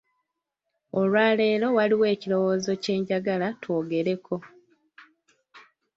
Olwaleero waliwo ekirowoozo kye njagala twogereko.